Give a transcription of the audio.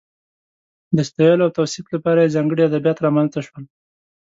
د ستایلو او توصیف لپاره یې ځانګړي ادبیات رامنځته شول.